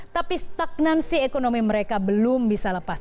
tapi stagnansi ekonomi mereka belum bisa lepas